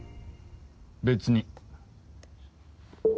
別に。